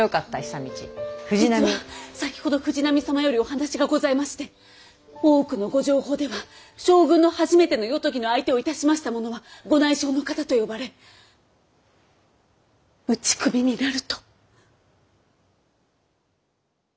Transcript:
実は先ほど藤波様よりお話がございまして大奥のご定法では将軍の初めての夜伽の相手をいたしました者はご内証の方と呼ばれ打ち首になると。